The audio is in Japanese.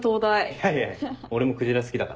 いやいや俺もクジラ好きだから。